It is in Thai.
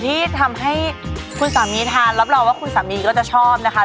ที่ทำให้คุณสามีทานรับรองว่าคุณสามีก็จะชอบนะคะ